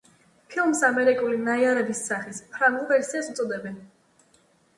ფილმს ამერიკული „ნაიარევი სახის“ ფრანგულ ვერსიას უწოდებენ.